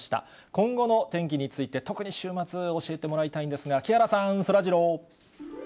今後の天気について特に週末、教えてもらいたいんですが、木原さん、そらジロー。